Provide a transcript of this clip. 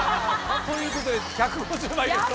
ということで１５０枚ゲット！